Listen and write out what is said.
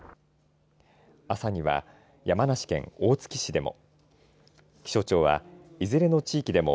朝には山梨県大月市でも。